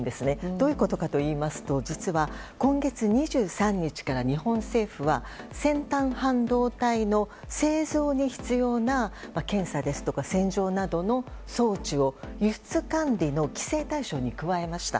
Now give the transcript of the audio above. どういうことかといいますと実は今月２３日から日本政府は先端半導体の製造に必要な検査ですとか洗浄などの装置を輸出管理の規制対象に加えました。